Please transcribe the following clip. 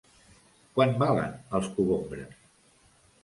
Quant valen els cogombres?